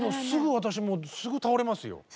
すぐ私もうすぐ倒れますよ。